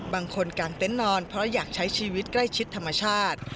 กลางเต็นต์นอนเพราะอยากใช้ชีวิตใกล้ชิดธรรมชาติ